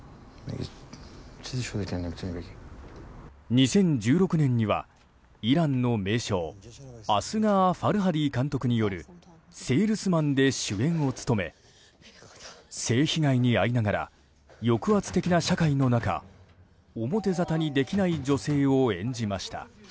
２０１６年には、イランの名匠アスガー・ファルハディ監督による「セールスマン」で主演を務め性被害に遭いながら抑圧的な社会の中表沙汰にできない女性を演じました。